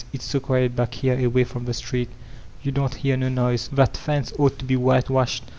It's so quiet back here away from the street; yon doo't hear no noise. That fence ought to be whitewashed.